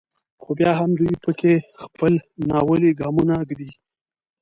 خو بیا هم دوی په کې خپل ناولي ګامونه ږدي.